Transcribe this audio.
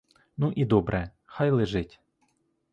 Ну і добре — хай лежить.